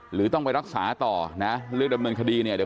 หรือต้องไปรักษาต่อนะเรื่องดำเนินคดีเนี่ยเดี๋ยว